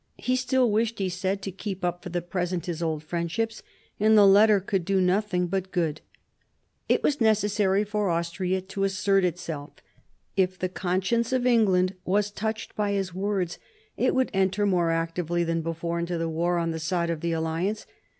He still wished, he said, to keep up for the present his old friendships, and the letter could do nothing but good. It was necessary v for Austria to assert itself. If the conscience of England was touched by his words, it would enter more actively than before into the war on the side of the alliance.